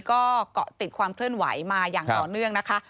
ก็เกาะติดความเคลื่อนไหวมาอย่างต่อเนื่องนะคะ